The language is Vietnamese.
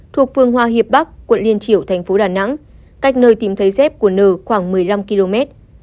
thuộc phương hoa hiệp bắc quận liên triểu thành phố đà nẵng cách nơi tìm thấy dép của n khoảng một mươi năm km